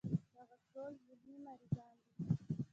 دغه ټول ذهني مريضان دي